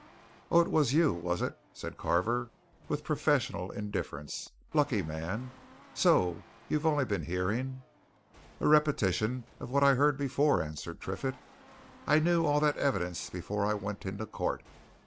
"Oh, it was you, was it?" said Carver, with professional indifference. "Lucky man! So you've only been hearing " "A repetition of what I'd heard before," answered Triffitt. "I knew all that evidence before I went into court.